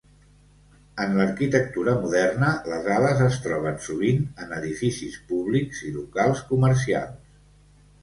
En l'arquitectura moderna, les ales es troben sovint en edificis públics i locals comercials.